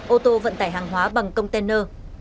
ô tô vận tải hàng hóa bằng container